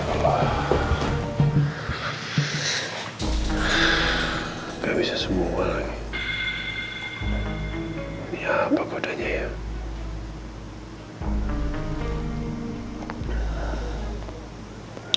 kalau sekarang gue pasti udah tidur